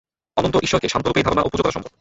অনন্ত ঈশ্বরকে সান্তরূপেই ধারণা ও পূজা করা সম্ভব।